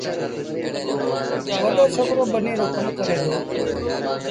وڏو ڇوڪرو ٻنيٚ رو ڪم ڪري دو۔